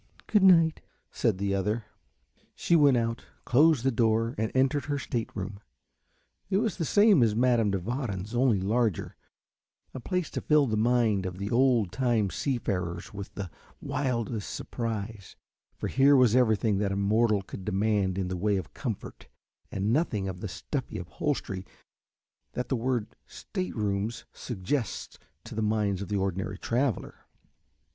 "Good night," said the other. She went out, closed the door, and entered her state room. It was the same as Madame de Warens' only larger, a place to fill the mind of the old time seafarers with the wildest surprise, for here was everything that a mortal could demand in the way of comfort and nothing of the stuffy upholstery that the word "state rooms" suggests to the mind of the ordinary traveller.